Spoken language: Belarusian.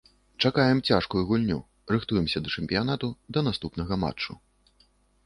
Чакаем цяжкую гульню, рыхтуемся да чэмпіянату, да наступнага матчу.